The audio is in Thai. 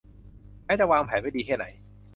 แม้จะวางแผนไว้ดีแค่ไหน